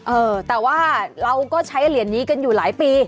เออแต่ว่าเราก็ใช้เหรียญนี้กันอยู่หลายปี